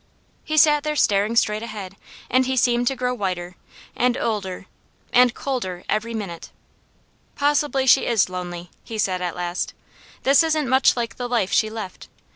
He sat there staring straight ahead and he seemed to grow whiter, and older, and colder every minute. "Possibly she is lonely," he said at last. "This isn't much like the life she left.